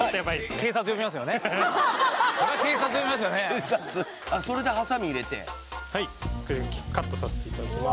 警察それでハサミ入れてはいカットさせていただきます